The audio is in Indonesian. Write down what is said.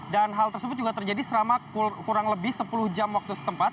dan hal tersebut juga terjadi selama kurang lebih sepuluh jam waktu setempat